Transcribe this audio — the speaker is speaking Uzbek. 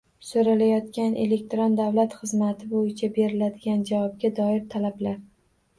So‘ralayotgan elektron davlat xizmati bo‘yicha beriladigan javobga doir talablar